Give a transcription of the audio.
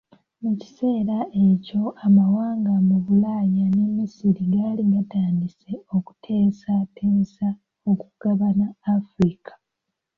Mu kiseera ekyo amawanga mu Bulaaya ne Misiri gaali gatandise okuteesateesa okugabana Africa.